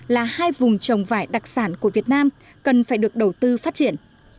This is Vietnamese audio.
là hai vùng trồng vải đặc sản của việt nam cần phải được đầu tư phát triển